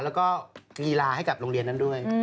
แล้วก็กีฬาให้กับโรงเรียนนั้นด้วย